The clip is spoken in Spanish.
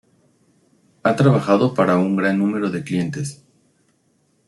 Ha trabajado para un gran número de clientes.